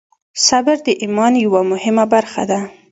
صبر د ایمان یوه مهمه برخه ده.